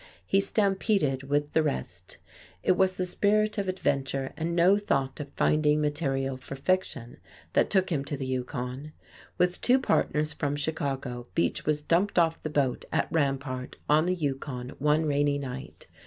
He stampeded with the rest. It was the spirit of adventure and no thought of finding material for fiction that took him to the Yukon. With two partners from Chicago, Beach was dumped off the boat at Rampart, on the Yukon, one rainy night.